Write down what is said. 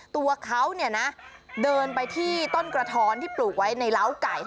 ตัวเขาเนี่ยนะเดินไปที่ต้นกระท้อนที่ปลูกไว้ในเหล้าไก่